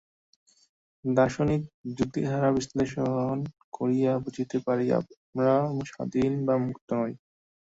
দার্শনিক যুক্তিদ্বারা বিশ্লেষণ করিয়া বুঝিতে পারি, আমরা স্বাধীন বা মুক্ত নই।